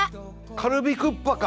カルビクッパか！